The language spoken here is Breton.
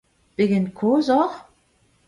Pegen kozh oc'h ?